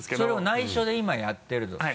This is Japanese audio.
それを内緒で今やってると。